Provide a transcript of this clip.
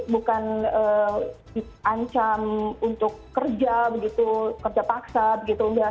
bukan ancam untuk kerja begitu kerja paksa begitu